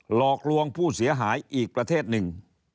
หลอกลวงผู้เสียหายอีกประเทศหนึ่ง